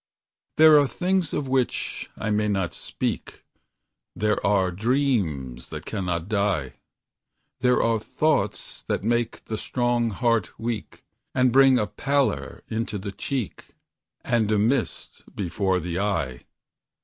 There are things of which I may not speak; There are dreams that cannot die; There are thoughts that make the strong heart weak, And bring a pallor into the cheek, And a mist before the eye.